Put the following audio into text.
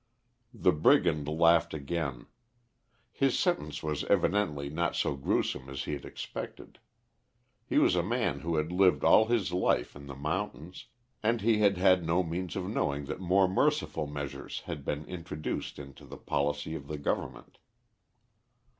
The brigand laughed again. His sentence was evidently not so gruesome as he had expected. He was a man who had lived all his life in the mountains, and he had had no means of knowing that more merciful measures had been introduced into the policy of the Government.